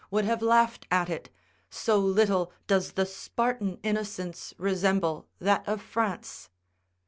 ] would have laughed at it, so little does the Spartan innocence resemble that of France.